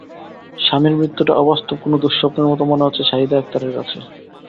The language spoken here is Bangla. স্বামীর মৃত্যুটা অবাস্তব কোনো দুঃস্বপ্নের মতো মনে হচ্ছে শাহিদা আক্তারের কাছে।